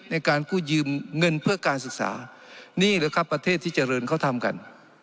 ในการกู้ยืมเงินเพื่อการศึกษานี่หรือครับประเทศที่เจริญเขาทำกัน